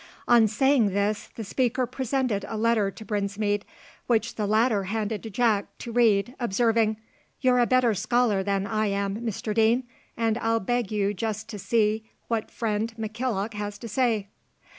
On saying this the speaker presented a letter to Brinsmead, which the latter handed to Jack to read, observing, "You're a better scholar than I am, Mr Deane, and I'll beg you just to see what friend McKillock has to say."